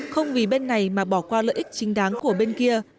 không vì bên này mà bỏ qua lợi ích chính đáng của bên kia